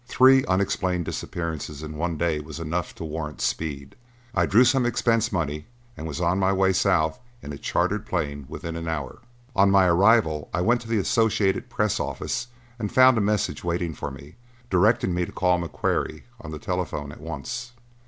Three unexplained disappearances in one day was enough to warrant speed; I drew some expense money and was on my way south in a chartered plane within an hour. On my arrival I went to the Associated Press office and found a message waiting for me, directing me to call McQuarrie on the telephone at once.